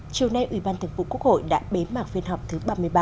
chiều nay ủy ban thường vụ quốc hội đã bế mạc phiên họp thứ ba mươi ba